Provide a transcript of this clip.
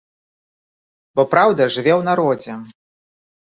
Бо праўда жыве ў народзе.